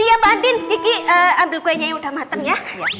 iya pak andin iki ambil kuenya yang udah matang ya